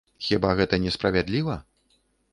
Хіба гэта не справядліва?